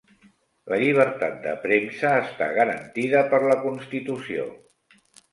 La llibertat de premsa està garantida per la constitució.